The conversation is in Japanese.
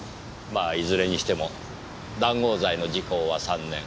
まあいずれにしても談合罪の時効は３年。